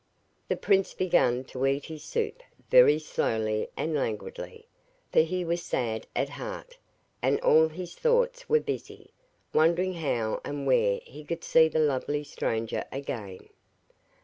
The prince began to eat his soup very slowly and languidly, for he was sad at heart, and all his thoughts were busy, wondering how and where he could see the lovely stranger again.